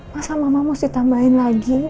masa mama mesti tambahin lagi